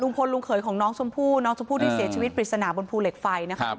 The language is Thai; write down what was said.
ลุงเขยของน้องชมพู่น้องชมพู่ที่เสียชีวิตปริศนาบนภูเหล็กไฟนะครับ